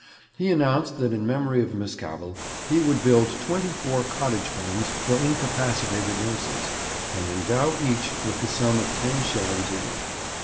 He announced that in memory of Miss Cavell he would build twenty four cottage homes for incapacitated nurses, and endow each with the sum of ten shillings a week.